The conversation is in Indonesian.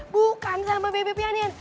bukan sama bebe pianian